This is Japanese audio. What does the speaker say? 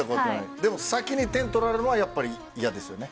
でも、先に点を取られるのはやっぱり嫌ですよね。